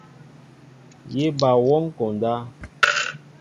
Yé ba wɔŋ konda.